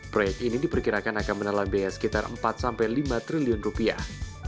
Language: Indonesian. proyek ini diperkirakan akan menelan biaya sekitar empat sampai lima triliun rupiah